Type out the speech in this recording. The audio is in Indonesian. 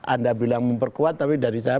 anda bilang memperkuat tapi dari saya